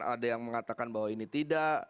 ada yang mengatakan bahwa ini tidak